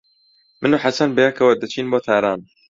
من و حەسەن بەیەکەوە دەچین بۆ تاران.